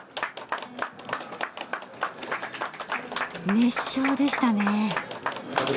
熱唱でしたね。